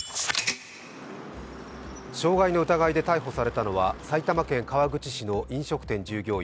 傷害の疑いで逮捕されたのは埼玉県川口市の飲食店従業員